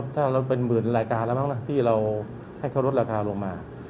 ถ้าเราเป็นหมื่นรายการแล้วมั้งนะที่เราให้เขาลดราคาลงมา